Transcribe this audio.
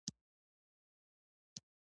دا فکر د حل پر ځای جګړه زیاتوي.